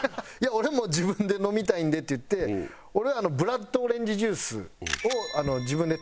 俺も「自分で飲みたいんで」って言って俺はブラッドオレンジジュースを自分で頼んで。